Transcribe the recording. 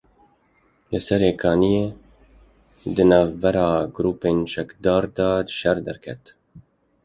Li Serê Kaniyê di navbera grûpên çekdar de şer derket.